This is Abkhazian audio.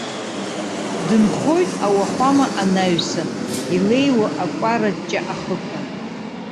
Дынхоит ауахәама анаҩсан илеиуа акәараҷҷа ахықәан.